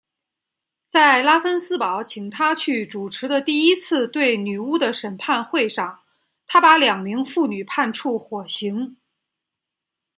在拉芬斯堡请他去主持的第一次对女巫的审判会上他把两名妇女判处火刑。